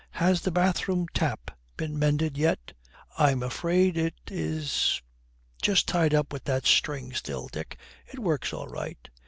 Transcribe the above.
Has the bathroom tap been mended yet?' 'I'm afraid it is just tied up with that string still, Dick. It works all right.'